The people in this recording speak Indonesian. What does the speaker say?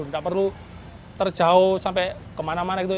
tidak perlu terjauh sampai kemana mana gitu